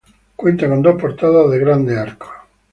Cuenta con dos portadas de grandes arcos.